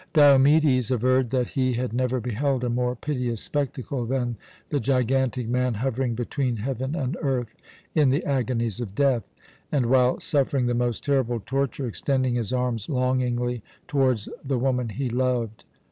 Diomedes averred that he had never beheld a more piteous spectacle than the gigantic man hovering between heaven and earth in the agonies of death and, while suffering the most terrible torture, extending his arms longingly towards the woman he loved.